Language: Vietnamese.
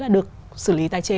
là được xử lý tài chế